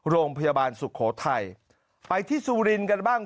โรงพยาบาลสุโขทัยไปที่สุรินทร์กันบ้าง